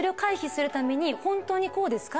本当にこうですか？